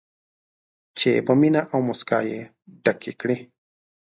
چې په مینه او موسکا یې ډکې کړي.